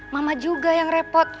mama juga yang repot